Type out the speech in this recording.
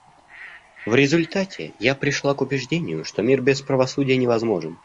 В результате я пришла к убеждению, что мир без правосудия невозможен.